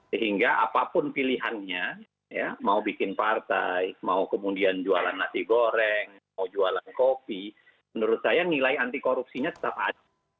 sehingga apapun pilihannya ya mau bikin partai mau kemudian jualan nasi goreng mau jualan kopi menurut saya nilai anti korupsinya tetap ada